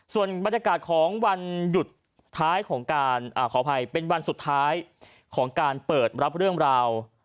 ส่วนบรรยากาศของวันหยุดท้ายของการขออภัยเป็นวันสุดท้ายของการเปิดรับเรื่องราว